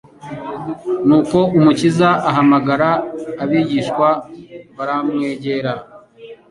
Nuko Umukiza ahamagara abigishwa baramwegera,